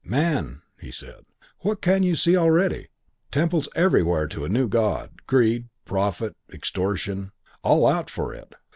Man,' he said, 'what can you see already? Temples everywhere to a new God Greed Profit Extortion. All out for it.